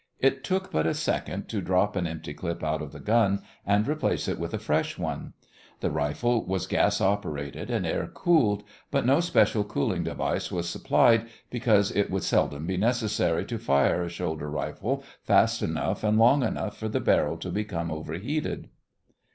It took but a second to drop an empty clip out of the gun and replace it with a fresh one. The rifle was gas operated and air cooled, but no special cooling device was supplied because it would seldom be necessary to fire a shoulder rifle fast enough and long enough for the barrel to become overheated.